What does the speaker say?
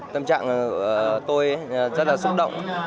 tâm trạng của tôi rất là xúc động